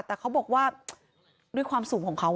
แต่เขาบอกว่าด้วยความสูงของเขา